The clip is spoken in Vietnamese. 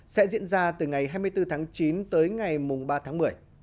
sẽ diễn ra từ ngày hai mươi bốn tháng chín tới ngày ba tháng một mươi